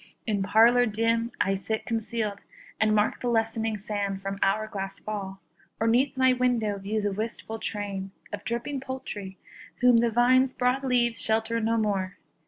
In parlour dim I sit concealed, And mark the lessening sand from hour glass fall; Or 'neath my window view the wistful train Of dripping poultry, whom the vine's broad leaves Shelter no more.